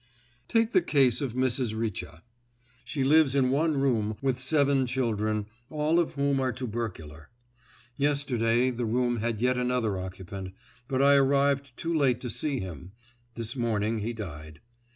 Take the case of Mrs. Richa. She lives in one room with seven children, all of whom are tubercular. Yesterday the room had yet another occupant, but I arrived too late to see him—this morning he died.